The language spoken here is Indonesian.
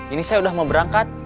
ini saya udah mau berangkat